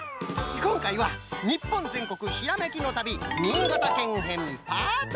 こんかいは「日本全国ひらめきの旅新潟県編パート２」。